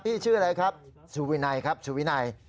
ชื่ออะไรครับสุวินัยครับสุวินัย